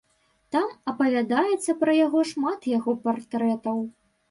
Там апавядаецца пра яго, шмат яго партрэтаў.